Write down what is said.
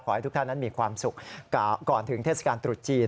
ให้ทุกท่านนั้นมีความสุขก่อนถึงเทศกาลตรุษจีน